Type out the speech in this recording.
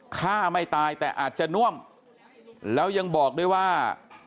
ฆ่าไม่ตายแต่อาจจะน่วมแล้วยังบอกด้วยว่า